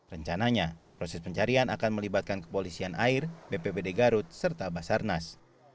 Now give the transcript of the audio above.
rencananya proses pencarian akan melibatkan kepolisian air bpbd garut serta basarnas